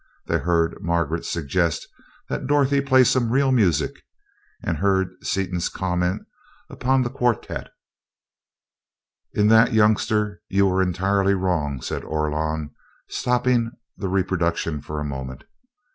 They heard Margaret suggest that Dorothy play some "real music," and heard Seaton's comments upon the quartette. "In that, youngster, you were entirely wrong," said Orlon, stopping the reproduction for a moment.